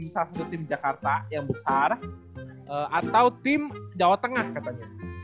salah satu tim jakarta yang besar atau tim jawa tengah katanya